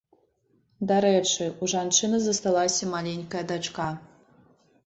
Дарэчы, у жанчыны засталася маленькая дачка.